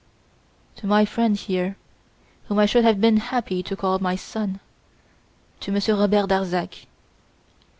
"To my friend here, whom I should have been happy to call my son to Monsieur Robert Darzac."